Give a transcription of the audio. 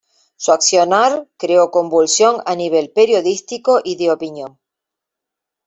Su accionar creó convulsión a nivel periodístico y de opinión.